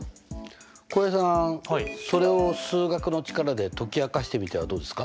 浩平さんそれを数学の力で解き明かしてみてはどうですか？